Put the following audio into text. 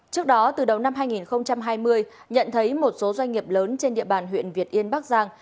trước đó từ đầu năm hai nghìn hai mươi nhận thấy một số doanh nghiệp lớn trên địa bàn huyện việt yên bắc giang